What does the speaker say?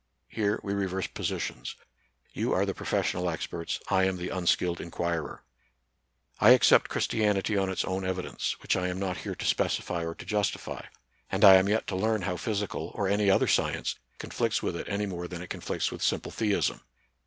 Here we reverse positions: you are the professional experts 5 I am the unskilled inquirer. I accept Christianity on its own evidence, which I am not here to specify or to justify; and I am yet to learn how physical or any other science conflicts with it any more than it con flicts with simple theism.